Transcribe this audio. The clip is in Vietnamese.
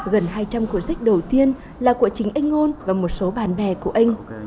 gần hai trăm linh cuốn sách đầu tiên là của chính anh ngôn và một số bạn bè của anh